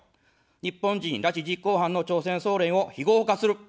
日本人拉致実行犯の朝鮮総連を非合法化する。